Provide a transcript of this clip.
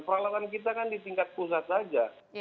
peralatan kita kan di tingkat pusat saja